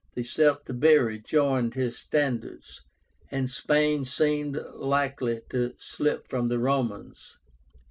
The Celtibéri joined his standards, and Spain seemed likely to slip from the Romans.